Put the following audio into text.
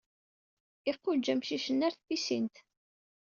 Iquǧǧ amcic-nni ɣer tpisint.